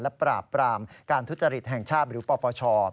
และปราบปรามการทุจริตแห่งชาติหรือปปช